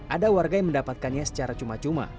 ada warga yang mendapatkannya secara cuma cuma